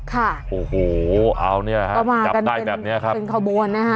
ค่ะโอ้โหเอาเนี่ยฮะจับได้แบบเนี้ยครับเป็นขบวนนะฮะ